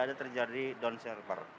tidak ada terjadi downsharper